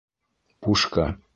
— Пушка!